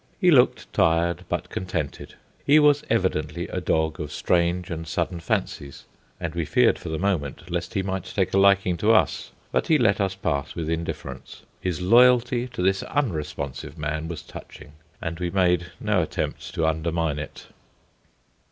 He looked tired, but contented. He was evidently a dog of strange and sudden fancies, and we feared for the moment lest he might take a liking to us. But he let us pass with indifference. His loyalty to this unresponsive man was touching; and we made no attempt to undermine it.